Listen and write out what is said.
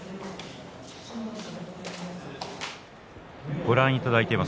ご覧いただいています